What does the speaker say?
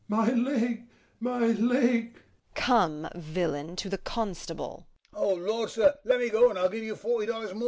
My leg, my leg! MEPHIST. Come, villain, to the constable. HORSE COURSER. O Lord, sir, let me go, and I'll give you forty dollars more!